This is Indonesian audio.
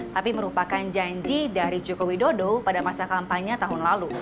tapi merupakan janji dari joko widodo pada masa kampanye tahun lalu